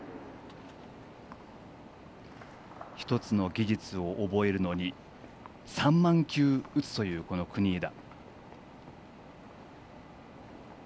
１つの技術を覚えるのに３万球、打つという国枝。